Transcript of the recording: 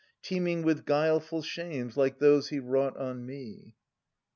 Teeming with guileful shames, like those he wrought on me.